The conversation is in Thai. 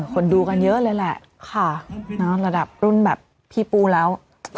คนดูกันเยอะเลยแหละค่ะระดับรุ่นแบบพี่ปูแล้ว